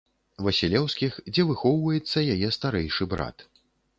Васілеўскіх, дзе выхоўваецца яе старэйшы брат.